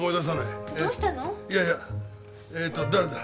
いやいやええと誰だ？